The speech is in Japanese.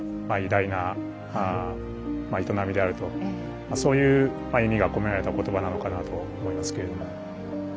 まあ偉大な営みであるとそういう意味が込められた言葉なのかなと思いますけれども。